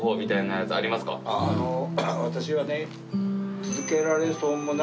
あの私はね。